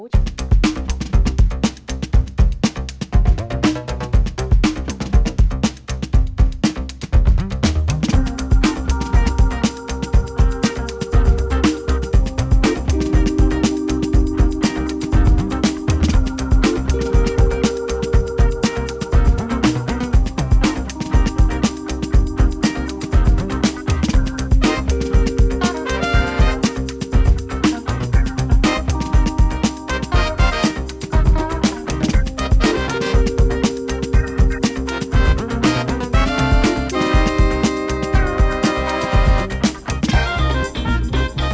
các tỉnh thành phố